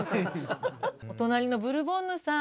お隣のブルボンヌさん。